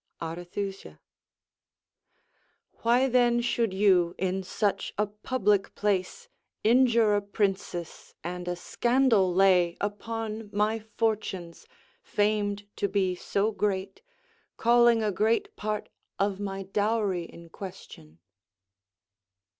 Arethusa Why then should you, in such a public place, Injure a princess, and a scandal lay Upon my fortunes, famed to be so great, Calling a great part of my dowry in question?